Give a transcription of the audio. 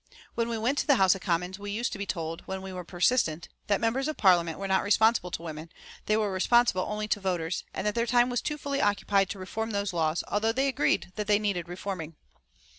When we went to the House of Commons we used to be told, when we were persistent, that members of Parliament were not responsible to women, they were responsible only to voters, and that their time was too fully occupied to reform those laws, although they agreed that they needed reforming.